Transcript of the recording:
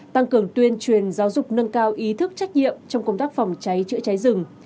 tăng cường tuyên truyền giáo dục nâng cao ý thức trách nhiệm trong công tác phòng cháy chữa cháy rừng